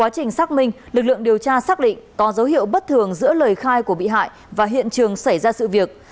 theo mình lực lượng điều tra xác định to dấu hiệu bất thường giữa lời khai của bị hại và hiện trường xảy ra sự việc